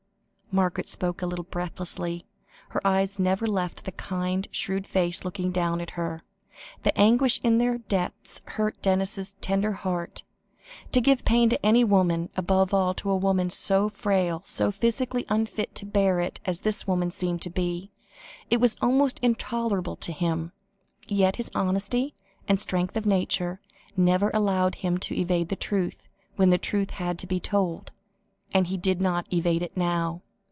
Margaret spoke a little breathlessly; her eyes never left the kind, shrewd face looking down at her; the anguish in their depths hurt Denis's tender heart. To give pain to any woman, above all to a woman so fragile, so physically unfit to bear it as this woman seemed to be, was almost intolerable to him. Yet his honesty and strength of nature never allowed him to evade the truth, when truth had to be told, and he did not evade it now.